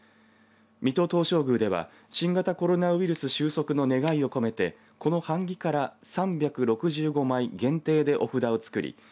水戸東照宮では新型コロナウイルス収束の願いを込めてこの版木から３６５枚限定でお札を作り